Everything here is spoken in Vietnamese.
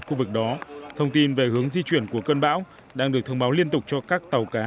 khu vực đó thông tin về hướng di chuyển của cơn bão đang được thông báo liên tục cho các tàu cá